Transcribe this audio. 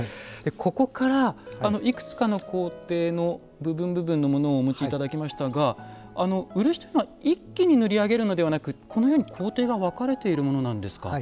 ここからいくつかの工程の部分部分のものをお持ち頂きましたが漆というのは一気に塗り上げるのではなくこのように工程が分かれているものなんですか？